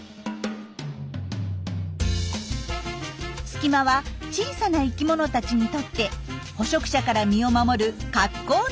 隙間は小さな生きものたちにとって捕食者から身を守る格好の隠れが。